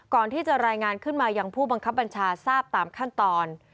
ก่อนที่จะรายงานขึ้นมายังผู้บังคับบัญชาทราบตามขั้นตอน